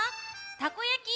たこやき！